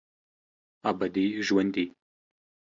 ابدي ژوندي